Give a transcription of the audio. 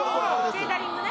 ケータリングね。